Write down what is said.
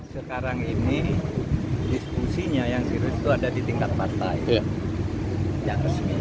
sekarang ini diskusinya yang sirus itu ada di tingkat partai yang resmi